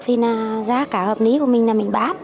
thì là giá cả hợp lý của mình là mình bán